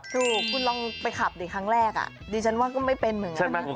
ถูกคุณลองไปขับดิครั้งแรกดิฉันว่าก็ไม่เป็นเหมือนกันนะ